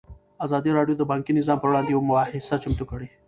ازادي راډیو د بانکي نظام پر وړاندې یوه مباحثه چمتو کړې.